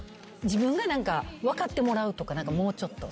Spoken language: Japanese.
自分が分かってもらうとかもうちょっと。